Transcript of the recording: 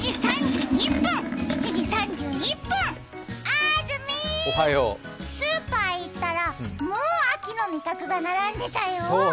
あずみ、スーパー行ったらもう秋の味覚が並んでたよ。